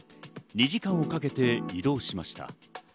２時間かけて移動しました。